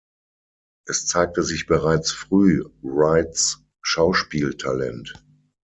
Es zeigte sich bereits früh Wrights Schauspieltalent.